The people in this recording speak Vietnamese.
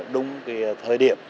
đúng cái thời điểm